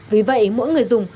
vì vậy mỗi người dùng